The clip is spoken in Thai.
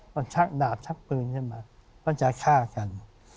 ก็ชักดาบชักปืนขึ้นมาก็จะฆ่ากัน